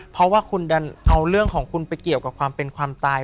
เพราะว่าคุณดันเอาเรื่องของคุณไปเกี่ยวกับความเป็นความตาย